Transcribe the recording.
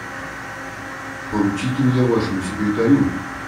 Поручите меня Вашему секретарю.